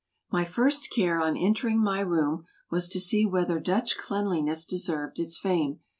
My first care on entering my room was to see whether Dutch cleanliness deserved its fame.